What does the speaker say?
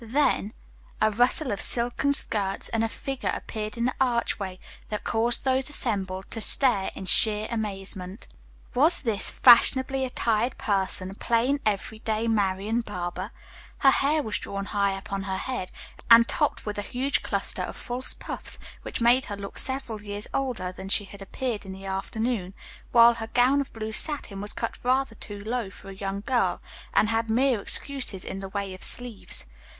Then a rustle of silken skirts and a figure appeared in the archway that caused those assembled to stare in sheer amazement. Was this fashionably attired person plain every day Marian Barber? Her hair was drawn high upon her head, and topped with a huge cluster of false puffs, which made her look several years older than she had appeared in the afternoon, while her gown of blue satin was cut rather too low for a young girl, and had mere excuses in the way of sleeves.